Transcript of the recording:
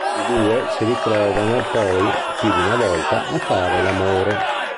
I due si ritrovano poi, più di una volta, a fare l'amore.